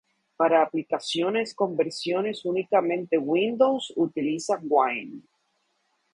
Para aplicaciones con versiones únicamente windows utiliza Wine.